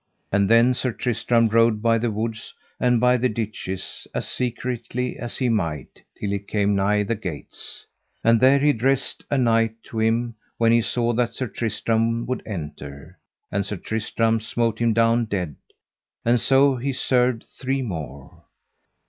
And then Sir Tristram rode by the woods and by the ditches as secretly as he might, till he came nigh the gates. And there dressed a knight to him when he saw that Sir Tristram would enter; and Sir Tristram smote him down dead, and so he served three more.